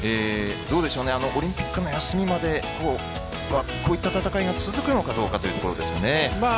オリンピックの休みまでこういった戦いが続くのかどうかというところですね。